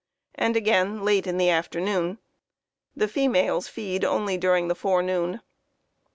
and again late in the afternoon. The females feed only during the forenoon.